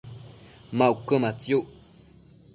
ma uquëmatsiuc?